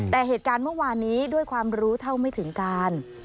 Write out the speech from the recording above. แต่เหตุการณ์เมื่อวานนี้ด้วยความรู้เท่าไม่ถึงการ